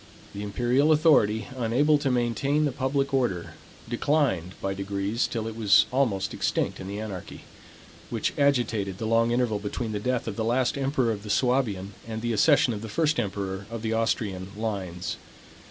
The imperial authority, unable to maintain the public order, declined by degrees till it was almost extinct in the anarchy, which agitated the long interval between the death of the last emperor of the Suabian, and the accession of the first emperor of the Austrian lines.